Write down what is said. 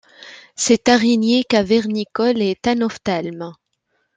Cette araignée cavernicole est anophthalme.